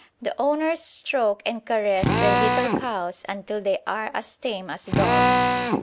The owners stroke and caress their little cows until they are as tame as dogs.